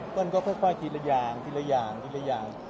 มันก็ค่อยทีละอย่างทีละอย่างทีละอย่าง